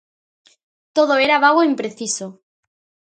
Todo era vago e impreciso.